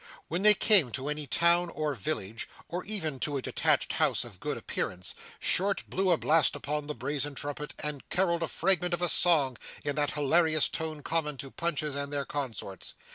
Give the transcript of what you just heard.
When they came to any town or village, or even to a detached house of good appearance, Short blew a blast upon the brazen trumpet and carolled a fragment of a song in that hilarious tone common to Punches and their consorts.